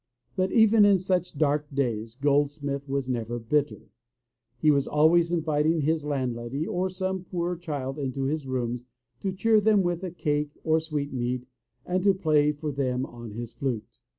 But even in such dark days Goldsmith was never bitter. He was always inviting his landlady or some poor child into his rooms to cheer them with a cake or sweetmeat and 109 MY BOOK HOUSE to play for them on his flute.